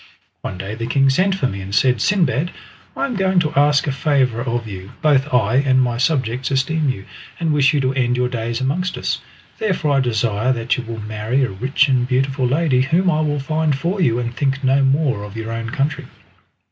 One day the king sent for me and said, "Sindbad, I am going to ask a favour of you. Both I and my subjects esteem you, and wish you to end your days amongst us. Therefore I desire that you will marry a rich and beautiful lady whom I will find for you, and think no more of your own country."